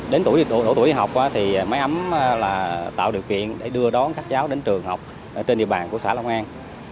đến tuổi học thì máy ấm tạo điều kiện để đưa đón các cháu đến trường học trên địa bàn của xã long an